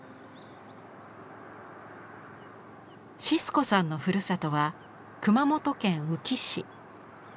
シスコさんのふるさとは熊本県宇城市。